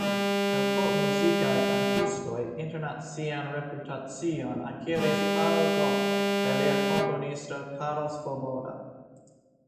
El pop-muzikaj kantistoj internacian reputacion akiris Karel Gott kaj lia komponisto Karel Svoboda.